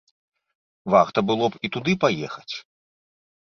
Варта было б і туды паехаць.